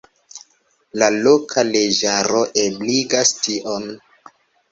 La loka leĝaro ebligas tion.